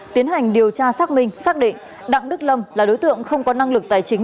tiến hành điều tra xác minh xác định đặng đức lâm là đối tượng không có năng lực tài chính